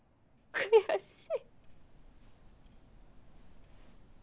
悔しい。